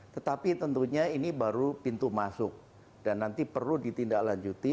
tetapi tentunya ini baru pintu masuk dan nanti perlu ditindaklanjuti